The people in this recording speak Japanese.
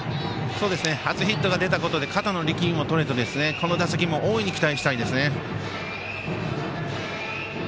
初ヒットが出たことで肩の力みもとれてこの打席も大いに期待したいですね。